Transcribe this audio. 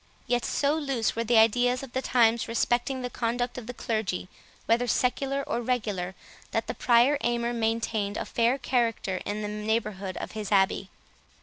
Yet so loose were the ideas of the times respecting the conduct of the clergy, whether secular or regular, that the Prior Aymer maintained a fair character in the neighbourhood of his abbey.